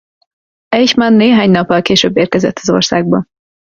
Eichmann néhány nappal később érkezett az országba.